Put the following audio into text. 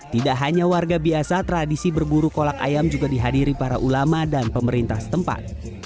tidak hanya warga biasa tradisi berburu kolak ayam juga dihadiri para ulama dan pemerintah setempat